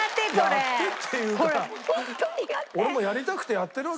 俺もやりたくてやってるわけじゃないのよ。